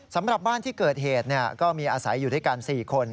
สำหรับบ้านที่เกิดเหตุก็มีอาศัยอยู่ด้วยกัน๔คน